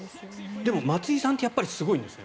でも、松井さんってやっぱりすごいんですね。